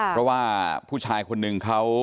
เพราะว่าผู้ชายคนหนึ่งเขา